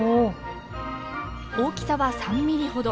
大きさは３ミリほど。